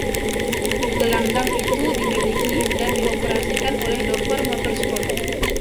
Gelanggang itu dimiliki dan dioperasikan oleh Dover Motorsports.